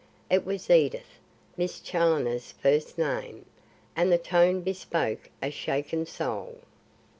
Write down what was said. It was Edith! Miss Challoner's first name, and the tone bespoke a shaken soul.